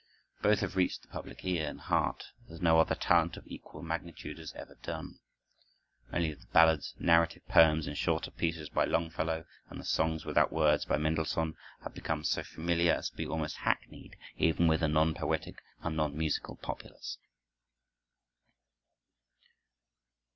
Both have reached the public ear and heart as no other talent of equal magnitude has ever done. Many of the ballads, narrative poems, and shorter pieces by Longfellow, and the "Songs Without Words," by Mendelssohn, have become so familiar as to be almost hackneyed, even with the non poetic and non musical populace.